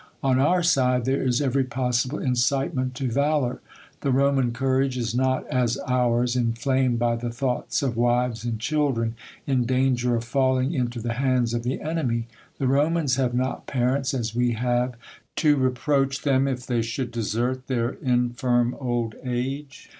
On our side there is every possible incitement to valour. The Roman courage is not, as ours, inflamed by the thoughts of wives and children in danger of falling in to I 188 THE COLUMBIAN ORATOK. to the hands of the enemy. The Romans have not * parents, as we have, to reproach them if they should desert their infirm old age.